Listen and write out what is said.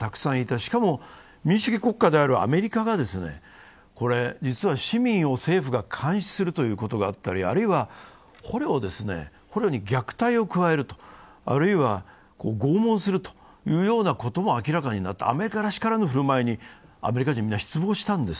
しかも民主主義国家であるアメリカが実は市民を政府が監視するということがあったり、あるいは捕虜に虐待を加える、あるいは拷問するというようなことも明らかになった、アメリカらしからぬ振る舞いにアメリカ人はみんな失望したんです。